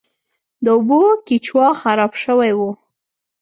د اوبو کیچوا خراب شوی و.